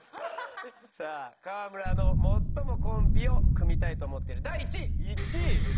さあ川村の最もコンビを組みたいと思ってる第１位この方。